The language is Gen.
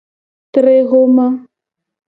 Tre xoma.